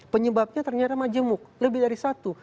penyebabnya ternyata majemuk lebih dari satu